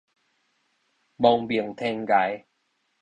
亡命天涯